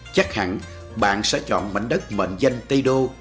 chắc hẳn bạn sẽ chọn mảnh đất mệnh danh tây đô